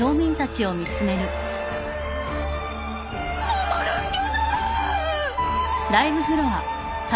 モモの助さま！